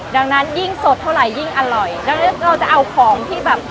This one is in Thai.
ดังนั้นยิ่งสดเท่าไหร่ยิ่งอร่อยดังนั้นเราจะเอาของที่แบบ